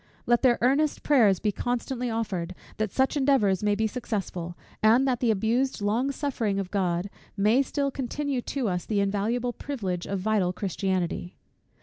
Let their earnest prayers be constantly offered, that such endeavours may be successful, and that the abused long suffering of God may still continue to us the invaluable privilege of vital Christianity.